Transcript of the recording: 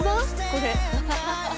これ。